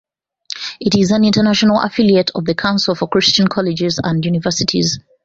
It is an international affiliate of the Council for Christian Colleges and Universities.